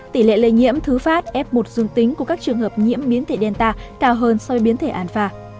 tỷ lệ lây nhiễm thứ phát ép một dương tính của các trường hợp nhiễm biến thể delta cao hơn so với biến thể alpha